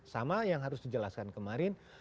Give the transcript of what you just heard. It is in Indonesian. sama yang harus dijelaskan kemarin